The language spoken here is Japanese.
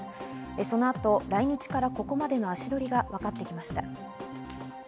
そのあと、来日からここまでの足取りがわかってきました。